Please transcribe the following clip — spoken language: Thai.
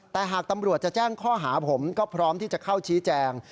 แต่หากตำรวจจะแจ้งข้อหาผมก็พร้อมที่จะเข้าชี้แจง